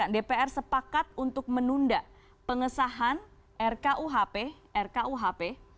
dpr sepakat untuk menunda pengesahan rkuhp